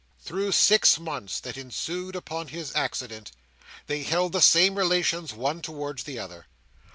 Through six months that ensued upon his accident, they held the same relations one towards the other.